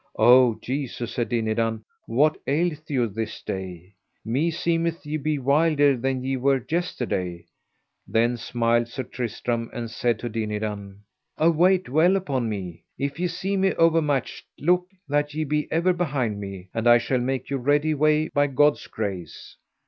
O Jesu, said Dinadan, what aileth you this day? meseemeth ye be wilder than ye were yesterday. Then smiled Sir Tristram and said to Dinadan: Await well upon me; if ye see me overmatched look that ye be ever behind me, and I shall make you ready way by God's grace.